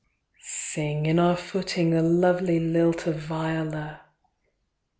Sing, in our footing, a Lovely lilt of "Viola!" IX.